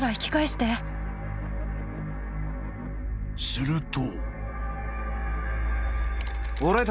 ［すると］